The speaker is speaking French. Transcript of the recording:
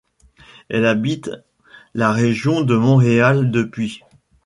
Elle habite la région de Montréal depuis.